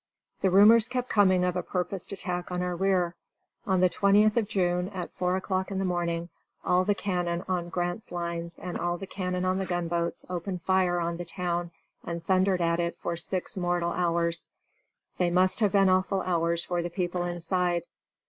The rumors kept coming of a purposed attack on our rear. On the 20th of June, at four o'clock in the morning, all the cannon on Grant's lines and all the cannon on the gunboats opened fire on the town and thundered at it for six mortal hours. They must have been awful hours for the people inside.